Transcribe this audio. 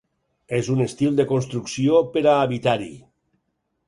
És un estil de construcció per a habitar-hi.